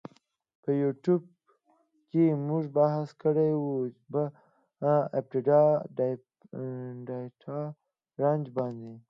په یوټیو کی مونږ بحث کړی وه په آپډا ډیټا رنج باندی.